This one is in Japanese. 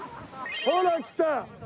ほらきた！